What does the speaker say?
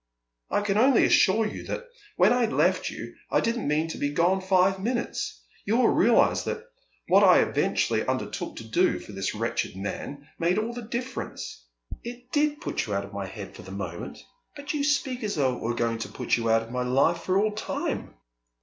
"I can only assure you that when I left you I didn't mean to be gone five minutes. You will realise that what I eventually undertook to do for this wretched man made all the difference. It did put you out of my head for the moment; but you speak as though it were going to put you out of my life for all time!"